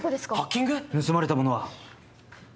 盗まれたものは！？